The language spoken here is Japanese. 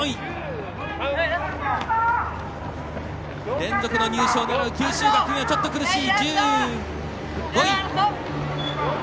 連続の入賞を狙う九州学院はちょっと苦しい。